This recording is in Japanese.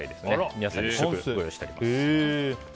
皆さんに試食ご用意してあります。